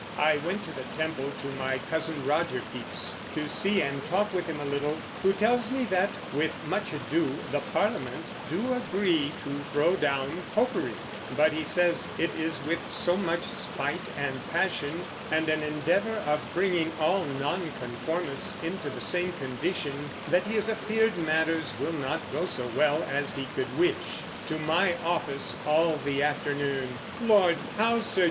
I went to the Temple to my Cozen Roger Pepys, to see and talk with him a little: who tells me that, with much ado, the Parliament do agree to throw down Popery; but he says it is with so much spite and passion, and an endeavor of bringing all Nonconformists into the same condition, that he is afeard matters will not go so well as he could wish.... To my office all the afternoon; Lord! how Sir J.